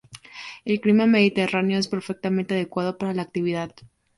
El clima mediterráneo es perfectamente adecuado para la actividad.